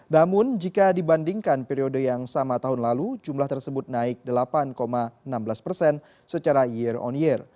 namun jika dibandingkan periode yang sama tahun lalu jumlah tersebut naik delapan enam belas persen secara year on year